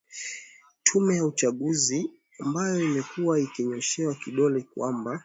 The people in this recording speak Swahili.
tume ya uchaguzi ambayo imekuwa ikinyoshewa kidole kwamba